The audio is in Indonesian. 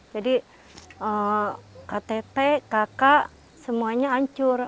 jadi ktp kk semuanya ancur